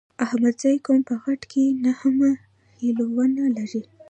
احمدزی قوم په غټه کې نهه خيلونه لري.